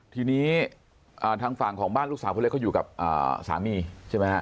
ทีนี้ทางฝั่งของบ้านลูกสาวคนเล็กเขาอยู่กับสามีใช่ไหมฮะ